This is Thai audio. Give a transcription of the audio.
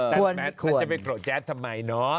แต่แบบนี้จะไปโกรธแจ๊สทำไมเนอะ